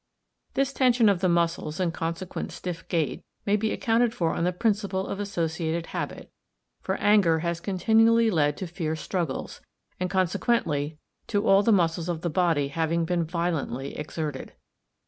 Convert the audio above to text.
This tension of the muscles and consequent stiff gait may be accounted for on the principle of associated habit, for anger has continually led to fierce struggles, and consequently to all the muscles of the body having been violently exerted.